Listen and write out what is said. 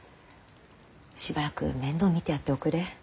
しばらく面倒を見てやっておくれ。